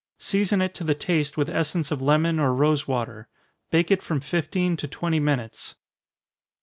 Season it to the taste with essence of lemon or rosewater. Bake it from fifteen to twenty minutes.